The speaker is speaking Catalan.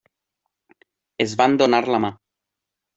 Es van donar la mà.